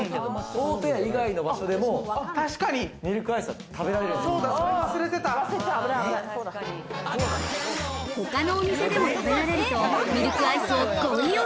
大戸屋以外の場所でもミルクアイスは食べられるんですよ。